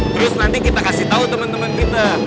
terus nanti kita kasih tau temen temen kita